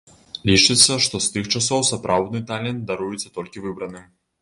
Лічыцца, што з тых часоў сапраўдны талент даруецца толькі выбраным.